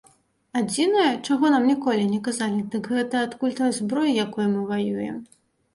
Адзінае, чаго нам ніколі не казалі, дык гэта адкуль тая зброя, якой мы ваюем.